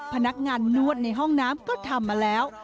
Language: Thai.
พนักงานนวดในห้องน้ำก็ทำมาแล้ว